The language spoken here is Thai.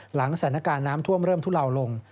หลังสถานการณ์น้ำท่วมเริ่มทุล่าวลง